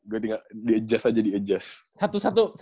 gue tinggal di adjust aja di adjust